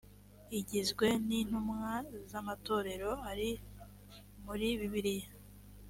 igizwe n’intumwa z’amatorero ari muri bibiliya